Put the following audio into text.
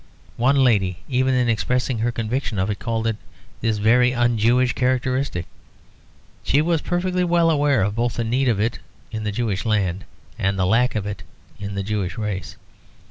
One lady, even in expressing her conviction of it, called it "this very un Jewish characteristic." She was perfectly well aware both of the need of it in the Jewish land, and the lack of it in the Jewish race.